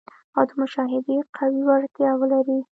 او د مشاهدې قوي وړتیا ولري.